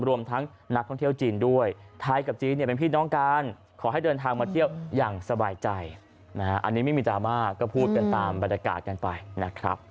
รวมทั้งนักท่องเที่ยวจีนด้วยไทยกับจีนเนี่ยเป็นพี่น้องกันขอให้เดินทางมาเที่ยวอย่างสบายใจนะฮะอันนี้ไม่มีดราม่าก็พูดกันตามบรรยากาศกันไปนะครับ